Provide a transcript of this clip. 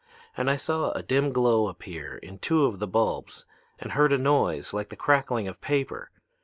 And I saw a dim glow appear in two of the bulbs and heard a noise like the crackling of paper.